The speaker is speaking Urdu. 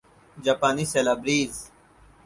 جاپانی سیلابریز